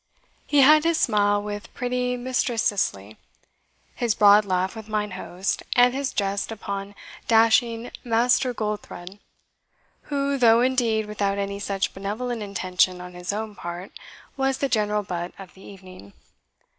He had his smile with pretty Mistress Cicely, his broad laugh with mine host, and his jest upon dashing Master Goldthred, who, though indeed without any such benevolent intention on his own part, was the general butt of the evening.